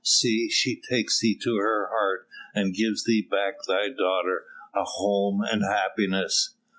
See, she takes thee to her heart and gives thee back thy daughter, a home and happiness."